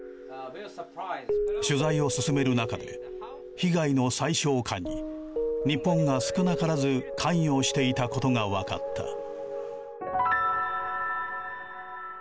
取材を進める中で被害の最小化に日本が少なからず関与していたことが分かった。